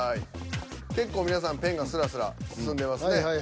結構皆さんペンがスラスラ進んでますね。